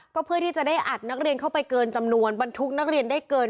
ก็เพื่อที่จะได้อัดนักเรียนเข้าไปเกินจำนวนบรรทุกนักเรียนได้เกิน